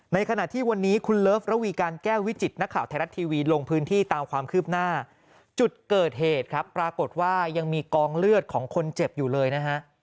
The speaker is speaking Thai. ในขณะที่วันนี้คุณเลิฟระวีการแก้ววิจิตนักข่าวไทยรัฐทีวีลงพื้นที่ตามความคืบหน้าจุดเกิดเหตุครับปรากฏว่ายังมีกองเลือดของคนเจ็บอยู่เลยนะฮะ